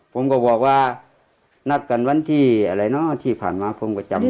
ผมก็บอกว่านัดกันวันที่อะไรเนอะที่ผ่านมาผมก็จำได้